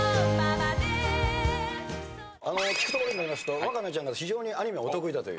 聞くところによりますとわかなちゃんが非常にアニメお得意だという。